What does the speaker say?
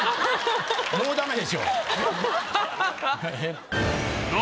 もうダメでしょ。